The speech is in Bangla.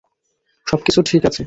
সব কিছু ঠিক আছে।